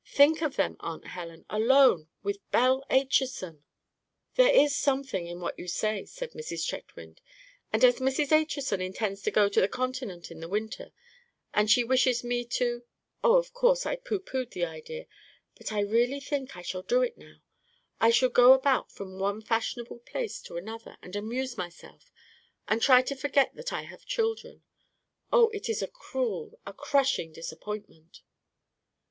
Think of them, Aunt Helen, alone with Belle Acheson!" "There is something in what you say," said Mrs. Chetwynd; "and as Mrs. Acheson intends to go on the Continent in the winter, and she wishes me to—oh, of course I pooh poohed the idea; but I really think I shall do it now. I shall go about from one fashionable place to another and amuse myself, and try to forget that I have children. Oh, it is a cruel, a crushing disappointment."